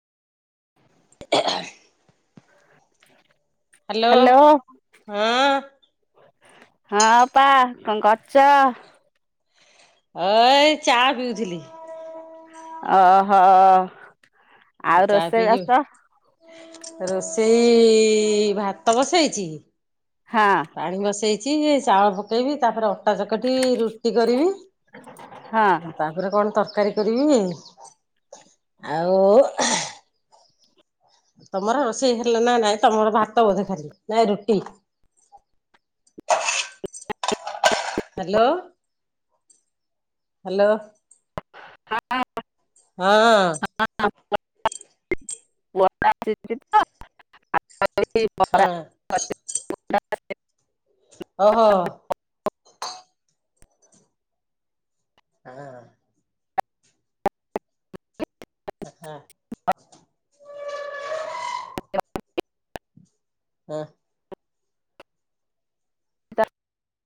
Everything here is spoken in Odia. [unintelligible] Hello hello. ହଁ ହଁ ଅପା କଣ କରୁଛ? ଅଇ ଚା ପିଉଥିଲି। ଅହ। ଚା ପିଇକି ରୋଷେଇ ଭାତ ବସେଇଛି। ହାଁ। ପାଣି ବସେଇଛି ଚାଉଳ ପକେଇବି। ତାପରେ ଅଟା ଚକଟିି ରୁଟି କରିବି। ହଁ ତାପରେ କଣ ତରକାରୀ କରିବି। ଆଉ ତମର ରୋଷେଇ ହେଲେ ନା ନାଇଁ ତମର ଭାତ ବସେ ଖାଲି ନାଇଁ ରୁଟି। Hello hello. ହଁ। ହଁ। [unintelligible] ହଁ ଓହୋ। ହାଁ। ଆହା। ହଁ। ଦ।